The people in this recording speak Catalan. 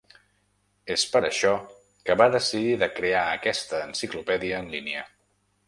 És per això que va decidir de crear aquesta enciclopèdia en línia.